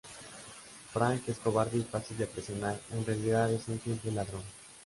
Frank es cobarde y fácil de presionar, en realidad es un simple ladrón.